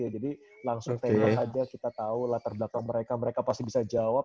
jadi langsung tanya aja kita tahu latar belakang mereka mereka pasti bisa jawab